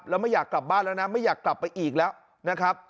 แล้วไม่อยากกลับบ้านแล้วนะไม่อยากกลับไปอีกแล้วนะครับ